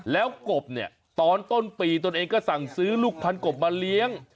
แล้วกบเนี่ยตอนต้นปีตนเองก็สั่งซื้อลูกพันกบมาเลี้ยง